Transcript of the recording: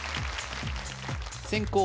先攻